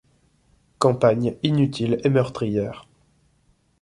Campagne inutile et meurtrière.